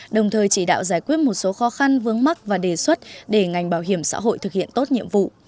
đồng thời chỉ đạo giải quyết một số khó khăn vướng mắt và đề xuất để ngành bảo hiểm xã hội thực hiện tốt nhiệm vụ